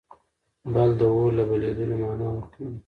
بل د اور له بلېدلو مانا ورکوي.